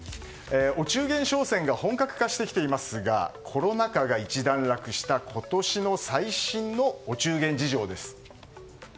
お中元商戦が本格化してきていますがコロナ禍が一段落した今年の最新のお中元事情です。